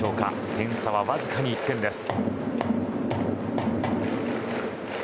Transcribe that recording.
点差はわずかに１点です。